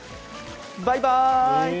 バイバイ。